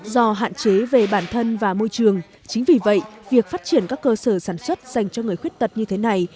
do hạn chế về bản thân và môi trường chính vì vậy việc phát triển các cơ sở sản xuất dành cho người khuyết tật như thế này